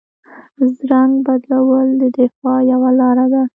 رنګ بدلول د دفاع یوه لاره ده